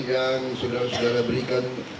yang saudara saudara berikan